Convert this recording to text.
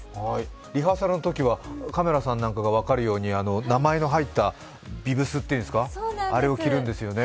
リハーサルのときはカメラさんなんかが分かるように名前が入ったビブスっていうんですか、あれを着るんですよね。